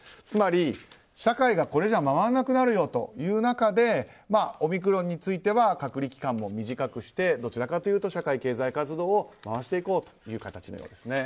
つまり、社会がこれじゃ回らなくなるよという中でオミクロン株については隔離期間も短くしてどちらかというと社会経済活動を回していこうという形です。